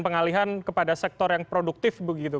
pengalihan kepada sektor yang produktif begitu